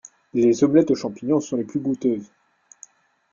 Les omelettes aux champignons sont les plus goûteuses.